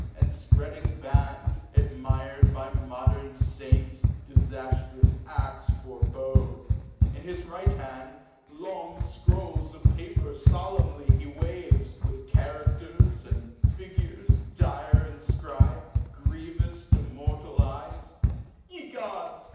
And fpreading band, admir'd by modern faints, Difaftrous als forebode , in his right hand Long fcrolls of paper folemnly he waves, With characters, and figures, dire infcrib'd, Grievous to mortal eyes ; (ye gods